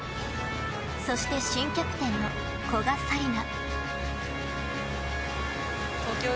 そして新キャプテンの古賀紗理那。